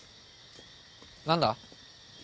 何だ？